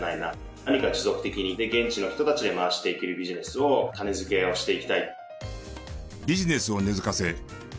何か持続的に現地の人たちで回していけるビジネスを種付けをしていきたい。